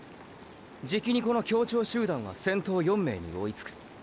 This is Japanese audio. じきにこの協調集団は先頭４名に追いつく。